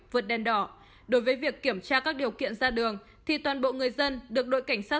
vượt đèn đỏ đối với việc kiểm tra các điều kiện ra đường thì toàn bộ người dân được đội cảnh sát